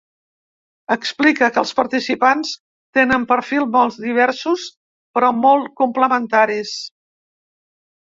Explica que els participants tenen perfils molt diversos, però molt complementaris.